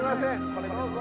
これどうぞ。